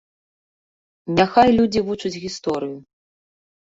Няхай людзі вучаць гісторыю.